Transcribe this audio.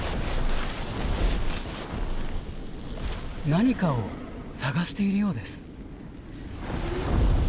何かを探しているようです。